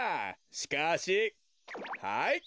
しかしはい。